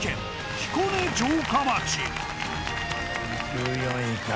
１４位か。